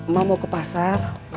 mau ke pasar